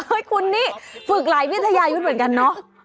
คุณนี่ฝึกหลายวิทยายุทธ์เหมือนกันเนอะ